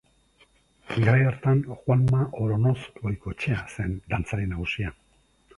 Garai hartan Juanma Oronoz Goikoetxea zen dantzari nagusia.